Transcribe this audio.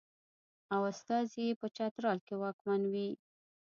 او استازی یې په چترال کې واکمن وي.